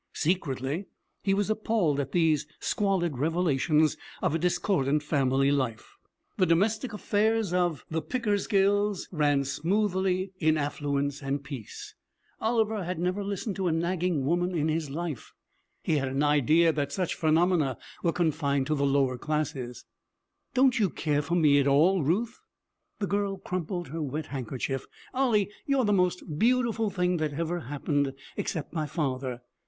Secretly he was appalled at these squalid revelations of discordant family life. The domestic affairs of the Pickersgills ran smoothly, in affluence and peace. Oliver had never listened to a nagging woman in his life. He had an idea that such phenomena were confined to the lower classes. 'Don't you care for me at all, Ruth?' The girl crumpled her wet handkerchief. 'Ollie, you're the most beautiful thing that ever happened except my father.